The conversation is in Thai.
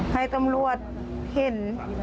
ให้ตำรวจเห็น